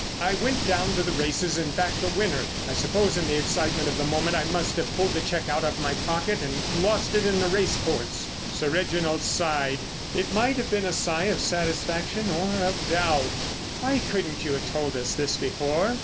I went down to the races and backed the winner. I suppose in the excitement of the moment I must have pulled the cheque out of my pocket and lost it on the racecourse." Sir Reginald sighed. It might have been a sigh of satisfaction or of doubt. "Why couldn't you have told us this before?